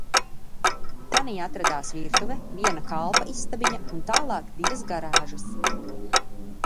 Tanī atradās virtuve, viena kalpa istabiņa un tālāk divas garāžas.